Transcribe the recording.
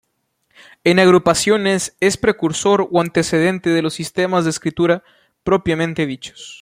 En agrupaciones es precursor o antecedente de los sistemas de escritura propiamente dichos.